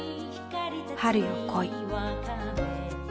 「春よ、来い」。